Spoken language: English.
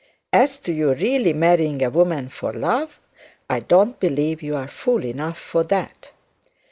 As to your really marrying a woman for love, I don't believe you are fool enough for that.'